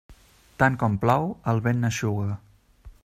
Tant com plou, el vent n'eixuga.